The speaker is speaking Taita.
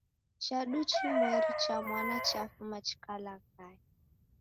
Chadu chimweri cha mwana chafuma chikalaghaya